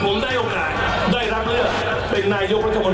และรับใช้ประชาชน